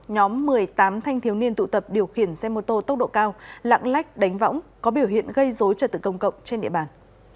nhóm một mươi tám thanh thiếu niên tụ tập điều khiển xe mô tô tốc độ cao lạng lách đánh võng có biểu hiện gây dối trật tự công cộng trên địa bàn